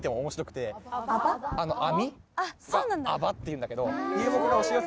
っていうんだけど。